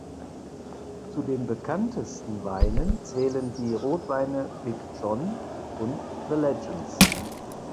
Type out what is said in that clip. Zu den bekanntesten Weinen zählen die Rotweine "Big John" und "The Legends".